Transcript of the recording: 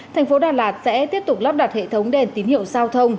thành phố đà lạt sẽ tiếp tục lắp đặt hệ thống đèn tín hiệu giao thông